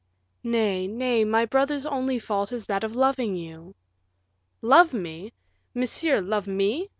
"Nay, nay, my brother's only fault is that of loving you." "Love me! Monsieur love me!